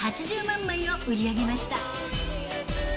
８０万枚を売り上げました。